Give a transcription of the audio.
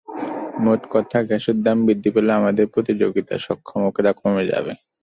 মোট কথা, গ্যাসের দাম বৃদ্ধি পেলে আমাদের প্রতিযোগিতা সক্ষমতা কমে যাবে।